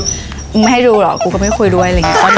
มึงไม่ให้ดูหรอกกูก็ไม่คุยด้วยอะไรอย่างนี้